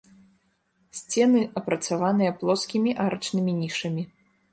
Сцены апрацаваныя плоскімі арачнымі нішамі.